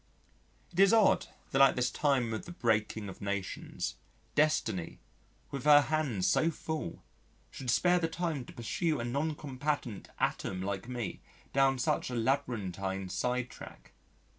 It is odd that at this time of the breaking of nations, Destiny, with her hands so full, should spare the time to pursue a non combatant atom like me down such a labyrinthine side track.